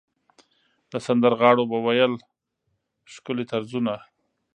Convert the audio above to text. سندرغاړو به ویل ښکلي طرزونه.